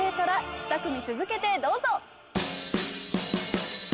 ２組続けてどうぞ。